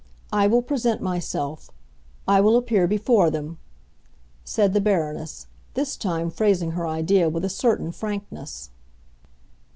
I will present myself—I will appear before them!" said the Baroness, this time phrasing her idea with a certain frankness.